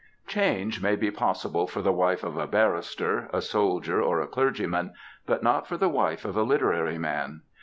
"^ Change may be possible for the wife of a barrister, a soldier, or a clergyman, but not for the wife of a literary man.